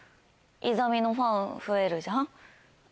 イザミのファン増えるじゃん？